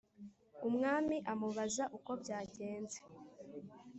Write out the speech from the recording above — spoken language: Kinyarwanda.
umwami amubaza uko byagenze,